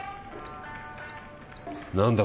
何だ